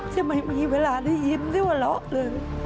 จะไม่มีเวลาได้ยิ้มหรือหลอกเลย